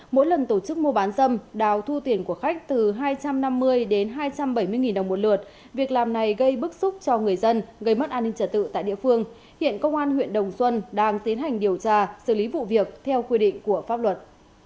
mỗi lần tổ chức mua bán dâm đào thu tiền của khách từ hai trăm năm mươi đến hai trăm bảy mươi đồng một lượt việc làm này gây bức xúc cho người dân gây mất an ninh trả tự tại địa phương hiện công an huyện đồng xuân đang tiến hành điều tra xử lý vụ việc theo quy định của pháp luật